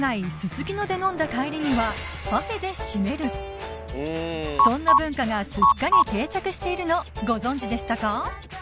すすきので飲んだ帰りにはパフェで〆るそんな文化がすっかり定着しているのご存じでしたか？